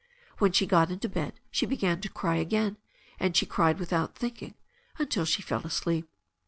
When she got into bed she began to cry again, and she cried without thinking until she fell asleep.